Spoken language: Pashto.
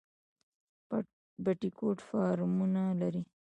بټي کوټ فارمونه لري؟